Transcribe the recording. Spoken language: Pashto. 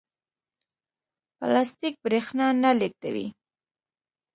پلاستیک برېښنا نه لېږدوي.